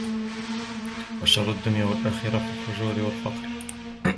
وَشَرَّ الدُّنْيَا وَالْآخِرَةِ فِي الْفُجُورِ وَالْفَقْرِ